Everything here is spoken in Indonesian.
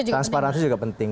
transparansi itu juga penting